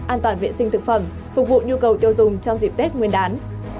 an toàn vệ sinh thực phẩm phục vụ nhu cầu tiêu dùng trong dịp tết nguyên đán